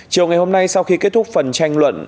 chiều ngày hôm nay sau khi kết thúc phần tranh luận